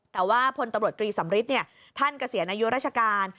แต่ว่าพลตำรวจตรีสำริทท่านเกษียณอายุราชการ